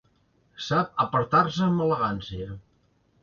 Sap apartar-se amb elegància.